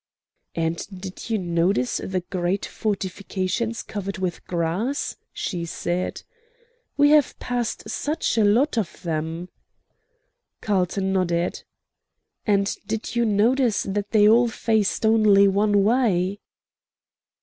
"And did you notice the great fortifications covered with grass?" she said. "We have passed such a lot of them." Carlton nodded. "And did you notice that they all faced only one way?"